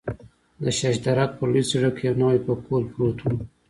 د شش درک پر لوی سړک یو نوی پکول پروت و.